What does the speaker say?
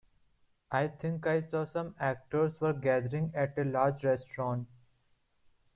I think I saw some actors were gathering at a large restaurant.